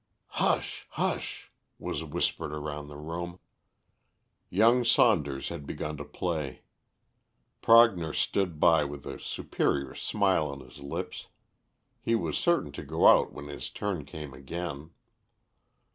"Hush, hush!" was whispered around the room. Young Saunders had begun to play. Prognor stood by with a superior smile on his lips. He was certain to go out when his turn came again.